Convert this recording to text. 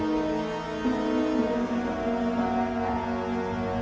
dan itu merupakan suatu perbicaraan di dalam roda madu